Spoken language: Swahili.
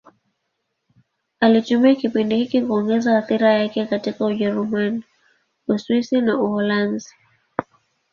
Alitumia kipindi hiki kuongeza athira yake katika Ujerumani, Uswisi na Uholanzi.